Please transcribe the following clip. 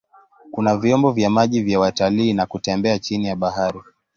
Kuna vyombo vya maji vya watalii na kutembea chini ya bahari.